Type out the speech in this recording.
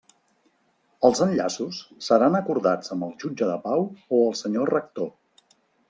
Els enllaços seran acordats amb el jutge de pau o el senyor rector.